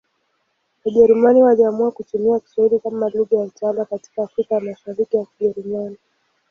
Wajerumani waliamua kutumia Kiswahili kama lugha ya utawala katika Afrika ya Mashariki ya Kijerumani.